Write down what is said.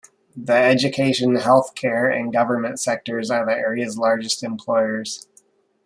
The education, health care and government sectors are the area's largest employers.